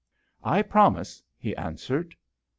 " I promise/' he answered.